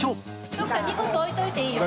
徳さん荷物置いといていいよ。